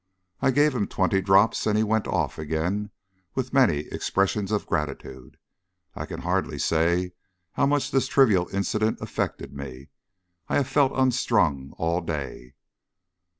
I gave him twenty drops, and he went off again with many expressions of gratitude. I can hardly say how much this trivial incident affected me. I have felt unstrung all day.